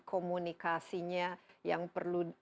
komunikasinya yang perlu